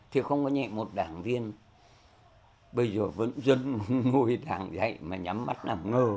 thì không có nhẹ một đảng viên bây giờ vẫn dân nuôi đảng dạy mà nhắm mắt làm ngờ